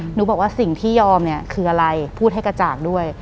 หนูบอกว่าสิ่งที่ยอมเนี่ยคืออะไรพูดให้กระจ่างด้วย